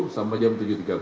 sampai jam tujuh tiga puluh